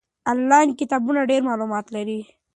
آنلاین کتابتونونه ډېر معلومات لري.